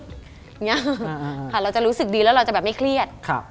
อย่างนี้ค่ะเราจะรู้สึกดีแล้วเราจะแบบไม่เครียด